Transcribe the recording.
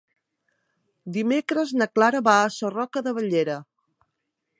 Dimecres na Clara va a Sarroca de Bellera.